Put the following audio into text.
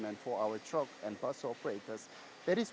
untuk truk dan operasi bus kami